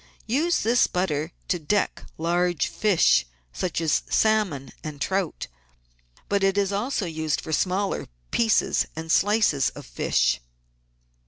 Use this butter to deck large fish, such as salmon and trout ; but it is also used for smaller pieces and slices of fish.